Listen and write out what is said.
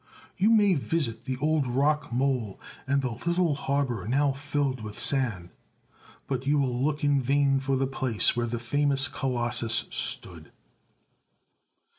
You may visit the old rock mole, and the little harbour now filled with sand, but you will look in vain for the place where the famous Colossus stood.